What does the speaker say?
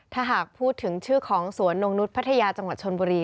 ถ้าหากพูดถึงชื่อของสวนนงนุษย์พัทยาจังหวัดชนบุรี